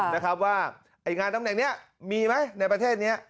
นะครับว่าไอ้งานตำแหน่งนี้มีไหมในประเทศนี้